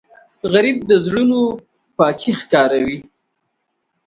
غریب د زړونو پاکی ښکاروي